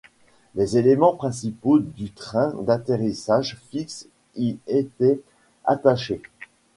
Les éléments principaux du train d'atterrissage fixe y étaient attachés.